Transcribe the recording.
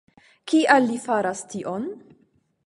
Kial li faras tion?